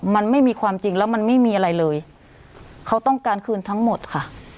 มันไม่มีความจริงแล้วมันไม่มีอะไรเลยเขาต้องการคืนทั้งหมดค่ะ